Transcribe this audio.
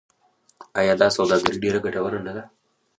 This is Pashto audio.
آیا دا سوداګري ډیره ګټوره نه ده؟